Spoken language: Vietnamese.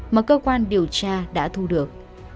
mà cơ quan điều tra đã thu được